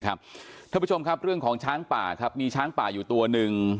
ท่านผู้ชมครับเรื่องของช้างป่าครับมีช้างป่าอยู่ตัวหนึ่ง